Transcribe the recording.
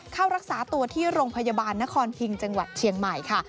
เข้ารักษาตัวที่โรงพยาบาลนครพิงจังหวัดเชียงใหม่ค่ะ